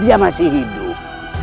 dia masih hidup